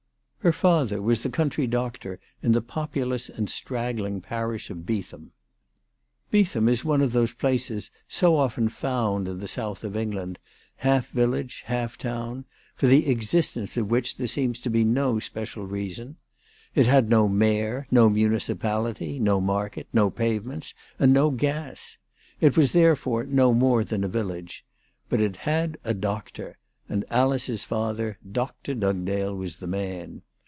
Her father was the country doctor in the populous and straggling parish of Beetham. Beetham is one of those places so often found in the south of England, 324 ALICE DUGKDALE. half village, half town, for the existence of which there seems to be no special reason. It had no mayor, no municipality, no market, no pavements, and no gas. It was therefore no more than a village ; but it had a doctor, and Alice's father, Dr. Dugdale, was the man.